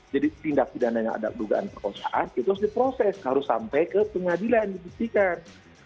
jadi tindak pidananya ada dugaan perkosaan itu harus diproses harus sampai ke pengadilan dibuktikan